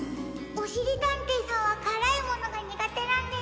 おしりたんていさんはからいものがにがてなんです。